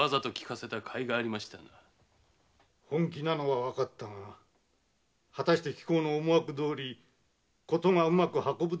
本気なのはわかったが果たして貴公の思惑どおり事がうまく運ぶであろうか。